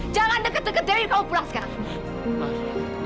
jangan deket deket aja kamu pulang sekarang